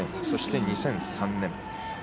そして２００３年。